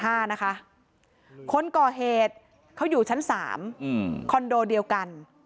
ที่ชั้น๕นะคะคนก่อเหตุเขาอยู่ชั้น๓คอนโดเดียวกัน